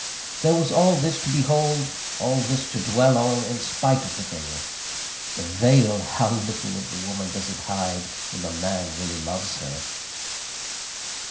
_ There was all this to behold, all this to dwell on, in spite of the veil. The veil! how little of the woman does it hide, when the man really loves her!